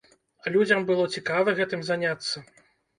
Людзям было цікава гэтым заняцца.